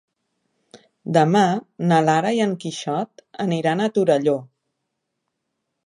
Demà na Lara i en Quixot aniran a Torelló.